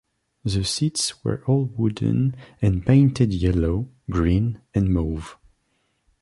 The seats were all wooden and painted yellow, green and mauve.